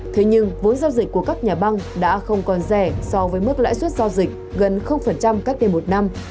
thế nhưng vốn giao dịch của các nhà băng đã không còn rẻ so với mức lãi suất giao dịch gần cách đây một năm